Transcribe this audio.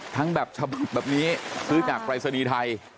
แบบฉบับแบบนี้ซื้อจากปรายศนีย์ไทย